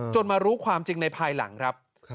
มารู้ความจริงในภายหลังครับ